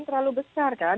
terlalu besar kan